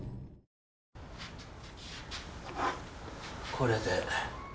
これで。